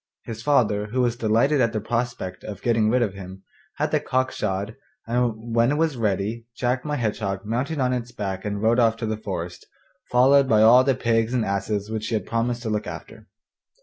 His father, who was delighted at the prospect of getting rid of him, had the cock shod, and when it was ready Jack my Hedgehog mounted on its back and rode off to the forest, followed by all the pigs and asses which he had promised to look after.